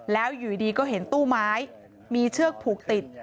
แล้วอยู่ดีก็เห็นตู้ไม้มีเชือกผูกติด